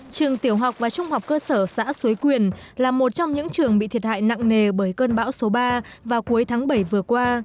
trường tiểu học và trung học cơ sở xã xuế quyền là một trong những trường bị thiệt hại nặng nề bởi cơn bão số ba vào cuối tháng bảy vừa qua